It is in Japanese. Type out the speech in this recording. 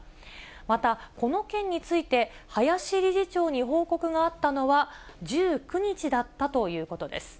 また、この件について、林理事長に報告があったのは、１９日だったということです。